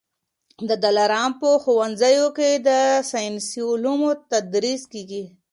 د دلارام په ښوونځیو کي د ساینسي علومو تدریس کېږي